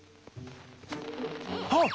あっ！